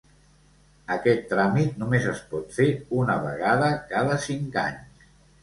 Aquest tràmit només es pot fer una vegada cada cinc anys.